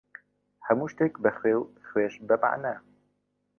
هەموو شتێک بە خوێ، و خوێش بە مەعنا.